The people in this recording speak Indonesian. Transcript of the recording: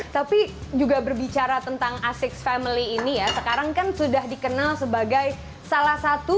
tapi juga berbicara tentang asik family ini ya sekarang kan sudah dikenal sebagai salah satu